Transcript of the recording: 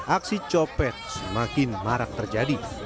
aksi copet semakin marak terjadi